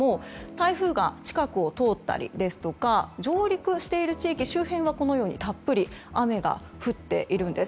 台風が近くを通ったりですとか上陸している地域、周辺はたっぷり雨が降っているんです。